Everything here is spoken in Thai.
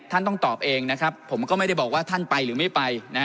ท่านต้องตอบเองนะครับผมก็ไม่ได้บอกว่าท่านไปหรือไม่ไปนะฮะ